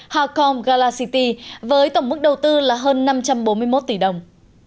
hacom galacity với tổng mức đầu tư là hơn năm trăm bốn mươi một tỷ đồng